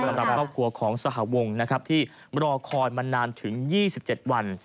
สำหรับครอบครัวของสหวงนะครับที่รอคอยมานานถึง๒๗วัน